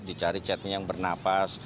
dicari cat yang bernapas